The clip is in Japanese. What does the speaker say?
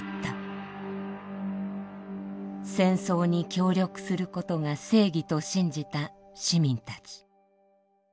戦争に協力することが正義と信じた市民たち。